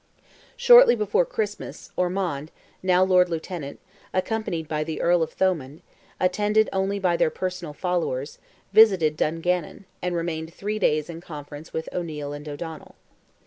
Shortly before Christmas, Ormond, now Lord Lieutenant, accompanied by the Earl of Thomond, attended only by their personal followers, visited Dungannon, and remained three days in conference with O'Neil and O'Donnell.